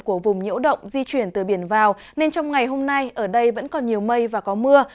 của vùng nhiễu động di chuyển từ biển vào nên trong ngày hôm nay ở đây vẫn còn nhiều mây và có mưa